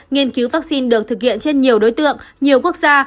nghiên cứu vaccine được thực hiện trên nhiều đối tượng nhiều quốc gia